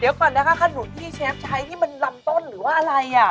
เดี๋ยวก่อนนะคะขนุนที่เชฟใช้นี่มันลำต้นหรือว่าอะไรอ่ะ